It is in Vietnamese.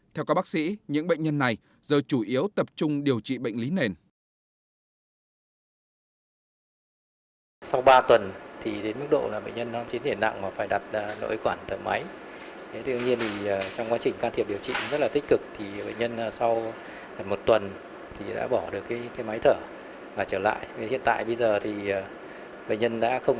theo các bác sĩ những bệnh nhân này giờ chủ yếu tập trung điều trị bệnh lý nền